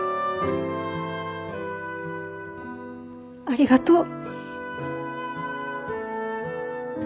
ありがとう。